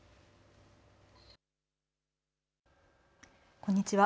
こんにちは。